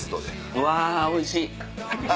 うわおいしい！